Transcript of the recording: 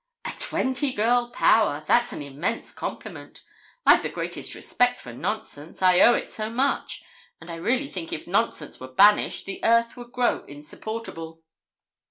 'A twenty girl power! That's an immense compliment. I've the greatest respect for nonsense, I owe it so much; and I really think if nonsense were banished, the earth would grow insupportable.'